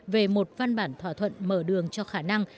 về một văn bản thỏa thuận mở đường cho khả năng